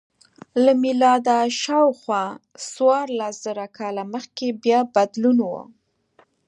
له میلاده شاوخوا څوارلس زره کاله مخکې بیا بدلون و